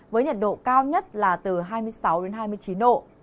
với nhiệt độ cao nhất là từ hai mươi sáu đến hai mươi chín độ